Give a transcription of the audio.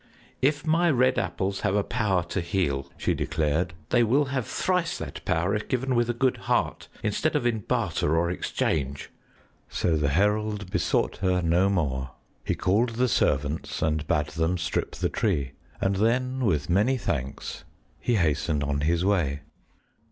"If my red apples have a power to heal," she declared, "they will have thrice that power if given with a good heart instead of in barter or exchange." So the herald besought her no more. He called the servants and bade them strip the tree, and then, with many thanks, he hastened on his way.